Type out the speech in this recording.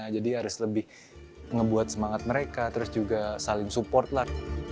jadi harus lebih ngebuat semangat mereka terus juga saling support lah